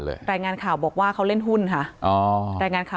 รายงานขาวบอกว่าเค้าเล่นหุ้นค่ะ